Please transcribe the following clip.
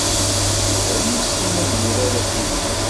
Yuba ur yessin ad yurar atennis.